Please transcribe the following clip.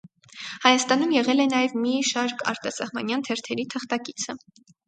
Հայաստանում եղել է նաև մի շարք արտասահմանյան թերթերի թղթակիցը։